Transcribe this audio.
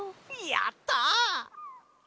やった！